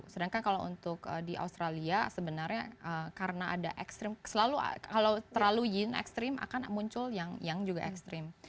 sedangkan kalau untuk di australia sebenarnya karena ada kalau terlalu yin ekstrim akan muncul yang juga ekstrim